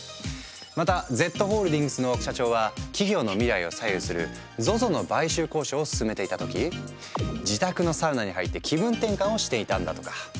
またＺホールディングスの社長は企業の未来を左右するＺＯＺＯの買収交渉を進めていた時自宅のサウナに入って気分転換をしていたんだとか。